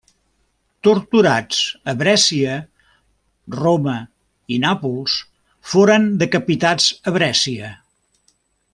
Torturats a Brescia, Roma i Nàpols, foren decapitats a Brescia.